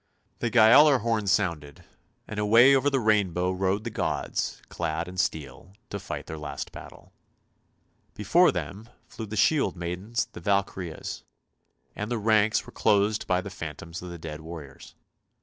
The Gialler horn sounded, and away over the rainbow rode the gods, clad in steel, to fight their last battle ; before them flew the shield maidens the Valkyrias, and the ranks were closed by the phantoms of the dead warriors.